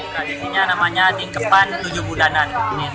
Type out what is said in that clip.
tradisi ini namanya tingkepan tujuh bulanan